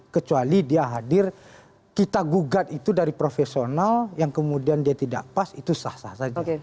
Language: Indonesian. kecuali dia hadir kita gugat itu dari profesional yang kemudian dia tidak pas itu sah sah saja